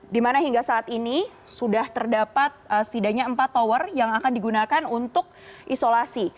dimana hingga saat ini sudah terdapat setidaknya empat tower yang akan digunakan untuk isolasi